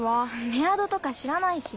メアドとか知らないし。